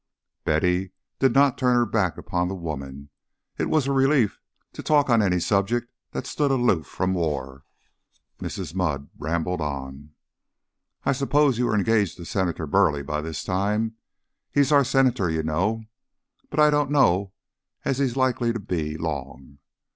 Betty did not turn her back upon the woman; it was a relief to talk on any subject that stood aloof from war. Mrs. Mudd rambled on. "I suppose you're engaged to Senator Burleigh by this time? He's our Senator, you know, but I don't know as he's likely to be, long.